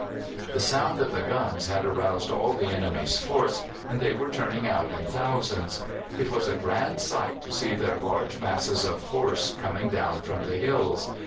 The sound of the guns had roused all the enemy's force, and they were turning out in thousands. It was a grand sight to see their large masses of horse coming down from the hills.